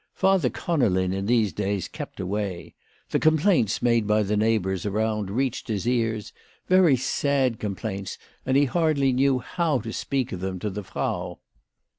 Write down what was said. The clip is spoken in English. Father Conolin in these days kept away. The complaints made by the neighbours around reached his ears, very sad complaints, and he hardly knew how to speak of them to the Frau.